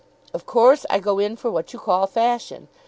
Of course, I go in for what you call fashion.